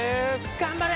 頑張れ！